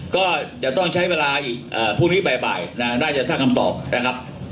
ก็จะต้องใช้เวลาอีกพรุ่งนี้บ่ายน่าจะสร้างคำตอบนะครับ